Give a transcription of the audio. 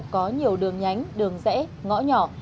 có nhiều đường nhánh đường rễ ngõ nhỏ